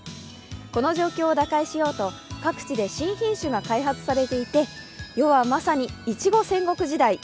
この状況を打開しようと各地で新品種が開発されていて世はまさに、いちご戦国時代。